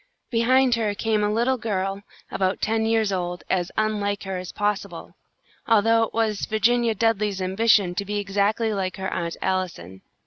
Behind her came a little girl about ten years old, as unlike her as possible, although it was Virginia Dudley's ambition to be exactly like her Aunt Allison.